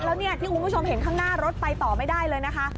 แล้วเนี่ยที่คุณผู้ชมเห็นข้างหน้ารถไปต่อไม่ได้เลยนะคะ